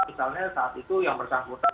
misalnya saat itu yang bersangkutan